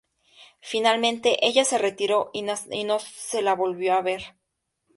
Finalmente, ella se retiró y no se la volvió a ver.